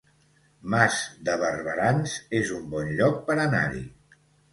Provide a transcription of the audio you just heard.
Mas de Barberans es un bon lloc per anar-hi